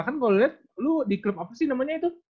kan kalau lo liat lo di klub apa sih namanya itu